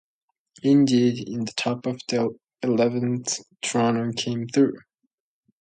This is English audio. Indeed, in the top of the eleventh, Toronto came through.